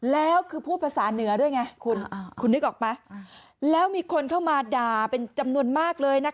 แล้วคือพูดภาษาเหนือด้วยไงคุณคุณนึกออกไหมแล้วมีคนเข้ามาด่าเป็นจำนวนมากเลยนะคะ